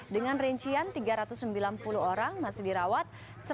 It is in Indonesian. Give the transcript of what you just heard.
dengan rincian tiga ratus sembilan puluh orang masih dirawat